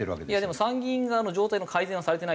でも参議院側の状態の改善はされてないですよね。